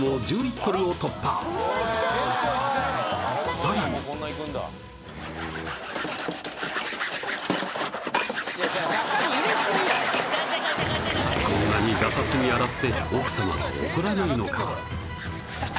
さらにこんなにガサツに洗って奥さまは怒らないのか？